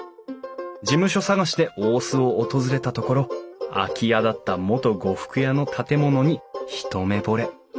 事務所探しで大須を訪れたところ空き家だった元呉服屋の建物に一目ぼれ。